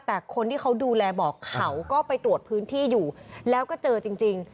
แต่คนที่เขาดูแลบอกเขาก็ไปตรวจพื้นที่อยู่แล้วก็เจอจริง